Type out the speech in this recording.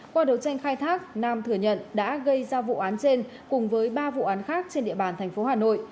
qua đấu tranh khai thác nam thừa nhận đã gây ra vụ án trên cùng với ba vụ án khác trên địa bàn thành phố hà nội